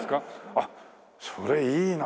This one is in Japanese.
あっそれいいな。